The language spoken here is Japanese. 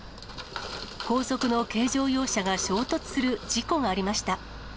後続の軽乗用車が衝突する事故がありました。